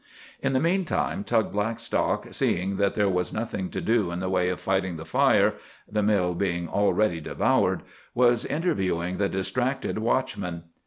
In the meantime, Tug Blackstock, seeing that there was nothing to do in the way of fighting the fire—the mill being already devoured—was interviewing the distracted watchman.